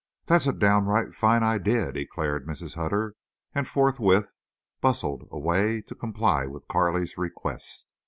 "That's a downright fine idea," declared Mrs. Hutter, and forthwith bustled away to comply with Carley's request.